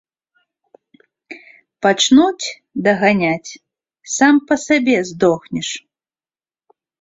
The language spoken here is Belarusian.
Пачнуць даганяць, сам па сабе здохнеш.